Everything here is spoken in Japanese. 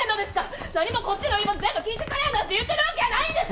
なにもこっちの言い分全部聞いてくれなんて言ってるわけやないんです！